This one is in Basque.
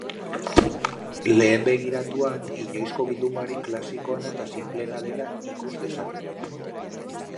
Lehen begiratuan, inoizko bildumarik klasikoena eta sinpleena dela ikus dezakegu.